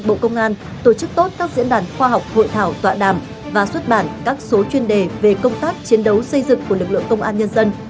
bộ công an tổ chức tốt các diễn đàn khoa học hội thảo tọa đàm và xuất bản các số chuyên đề về công tác chiến đấu xây dựng của lực lượng công an nhân dân